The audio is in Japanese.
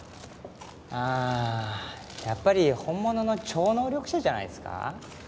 ああやっぱり本物の超能力者じゃないっすか？